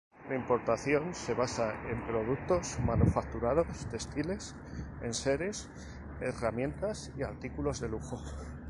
La importación se basaba en productos manufacturados: textiles, enseres, herramientas y artículos de lujo.